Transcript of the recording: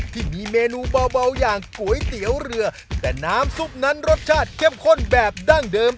ที่มีเมนูเบาอย่างก๋วยเตี๋ยวเรือแต่น้ำซุปนั้นรสชาติเข้มข้นแบบดั้งเดิม